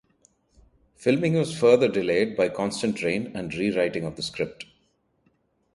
Filming was further delayed by constant rain and re-writing of the script.